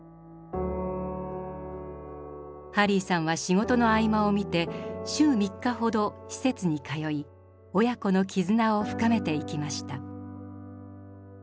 ハリーさんは仕事の合間を見て週３日ほど施設に通い親子の絆を深めていきました。